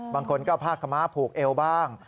บางคนก็เอาผ้าขม้าผูกเอวบ้าง